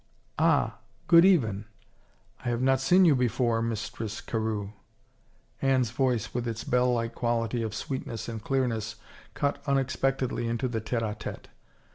" Ah, good even — I have not seen you before, Mis tress Carewe." Anne's voice with its bell like quality of sweetness and clearness cut unexpectedly into the tete a tete.